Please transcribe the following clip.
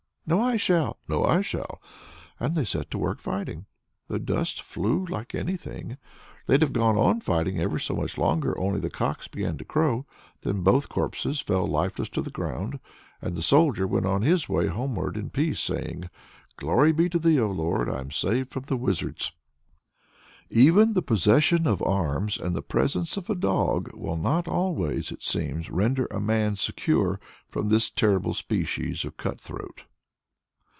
"No, I shall!" "No, I shall!" And they set to work fighting; the dust flew like anything. They'd have gone on fighting ever so much longer, only the cocks began to crow. Then both the corpses fell lifeless to the ground, and the Soldier went on his way homeward in peace, saying: "Glory be to Thee, O Lord! I am saved from the wizards!" Even the possession of arms and the presence of a dog will not always, it seems, render a man secure from this terrible species of cut throat.